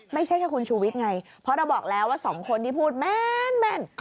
ไม่ใช่แค่คุณชูวิทย์ไงเพราะเราบอกแล้วว่าสองคนที่พูดแม่น